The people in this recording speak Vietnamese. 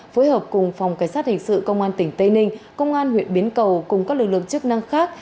phối hợp cùng phòng cảnh sát hình sự công an tỉnh tây ninh công an huyện biến cầu cùng các lực lượng chức năng khác